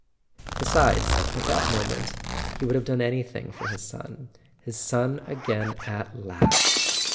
Besides, at that moment he would have done any¬ thing for his son—his son again at last!